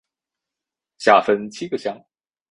下分七个乡。